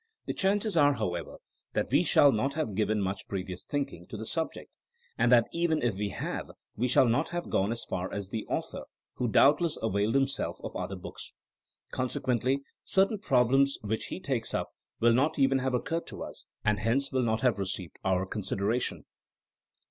The chances are, however, that we shall not have given much previous thinking to the subject, and that even if we have we shall not have gone as far as the author, who doubtless availed himself of other books. Consequently certain problems which THINEINO AS A SCIENCE 159 he takes up will not even have occurred to us, and hence will not have received our considera tion.